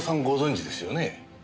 ご存じですよね？